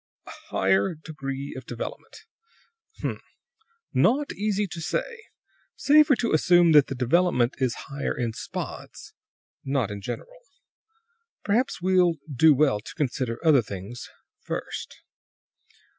"A higher degree of development? H m! Not easy to say. Safer to assume that the development is higher in spots, not in general. Perhaps we'll do well to consider other things first.